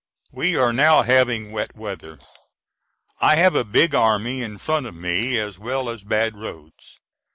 We are now having wet weather. I have a big army in front of me as well as bad roads.